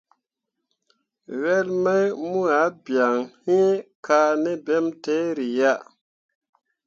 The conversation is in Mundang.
Wel mai mu ah bian iŋ kah ne ɓentǝǝri ah.